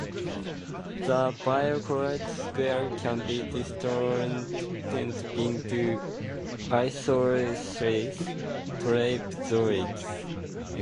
The bicolored square can be distorted into isosceles trapezoids.